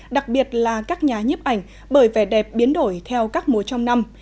đặc biệt là các nhà nhiếp ảnh bởi vẻ đẹp biến đổi theo các mùa trong năm